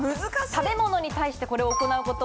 食べ物に対してこれを行うこと。